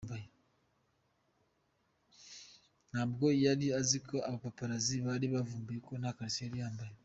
Ntabwo yari azi ko abapaparazzi bari buvumbure ko ntakariso yari yambaye.